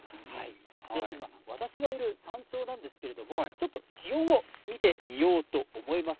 今、私がいる山頂なんですけれども、ちょっと気温を見てみようと思います。